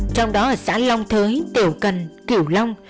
trong đó ở xã long thới tiểu cần cửu long